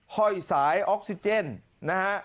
ห้อยสายออกซิเจนนะฮะ